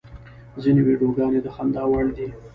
ځینې ویډیوګانې د خندا وړ دي.